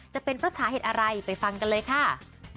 จะเป็นเพราะสาเหตุอะไรไปฟังกันเลยค่ะ